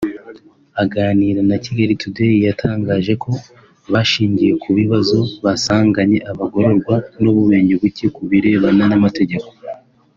aganira na Kigali Today yatangaje ko bashingiye ku bibazo basanganye abagororwa n’ubumenyi buke ku birebana n’amategeko